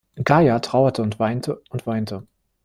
Gaya trauerte und weinte und weinte.